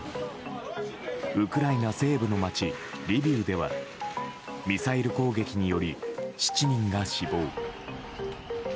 ウクライナ西部の街リビウではミサイル攻撃により７人が死亡。